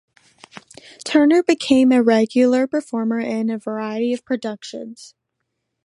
Turner became a regular performer in a variety of productions.